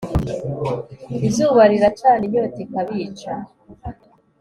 izuba riracana inyota ikabica